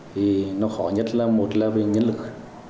thì nó khó nhất là một là về nhân lực